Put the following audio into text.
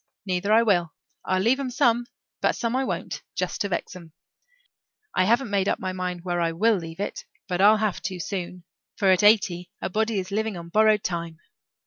Neither I will. I'll leave 'em some, but some I won't, just to vex 'em. I haven't made up my mind where I will leave it but I'll have to, soon, for at eighty a body is living on borrowed time.